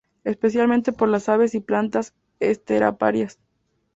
Especialmente por las aves y plantas esteparias.